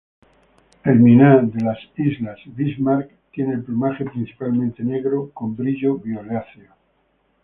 El miná de las Bismarck tiene el plumaje principalmente negro con brillo violáceo.